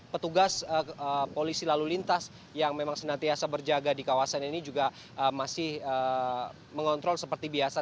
petugas polisi lalu lintas yang memang senantiasa berjaga di kawasan ini juga masih mengontrol seperti biasa